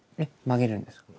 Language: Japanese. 曲げるんですか？